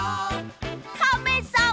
「カメさん」